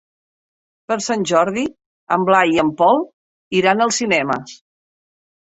Per Sant Jordi en Blai i en Pol iran al cinema.